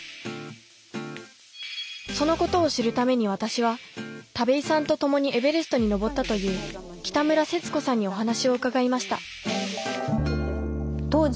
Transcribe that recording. そのことを知るために私は田部井さんと共にエベレストに登ったという北村節子さんにお話を伺いました